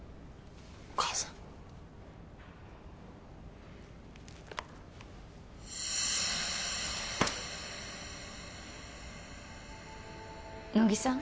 お母さん乃木さん？